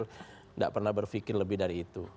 tidak pernah berpikir lebih dari itu